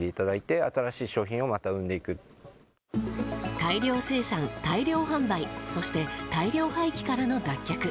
大量生産、大量販売そして大量廃棄からの脱却。